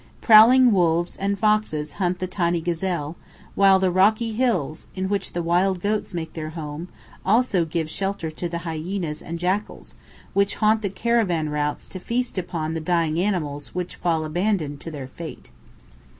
Prowling wolves and foxes hunt the tiny gazelle, while the rocky hills, in which the wild goats make their home, also give shelter to the hyenas and jackals, which haunt the caravan routes to feast upon the dying animals which fall abandoned to their fate.